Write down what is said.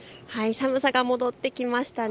寒さが戻ってきましたね。